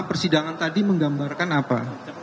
persidangan tadi menggambarkan apa